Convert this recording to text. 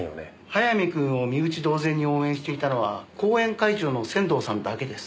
早見君を身内同然に応援していたのは後援会長の仙堂さんだけです。